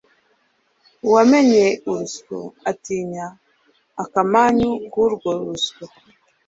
Uwamennye urusyo, atinya akamanyu k’urwo rusyo,